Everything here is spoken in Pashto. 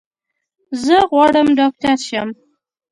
زه غواړم ډاکټر شم.